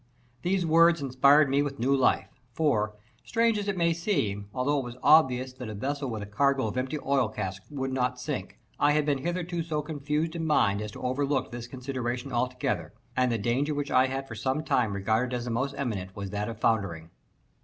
These words inspired me with new life; for, strange as it may seem, although it was obvious that a vessel with a cargo of empty oil casks would not sink, I had been hitherto so confused in mind as to have overlooked this consideration altogether; and the danger which I had for some time regarded as the most imminent was that of foundering.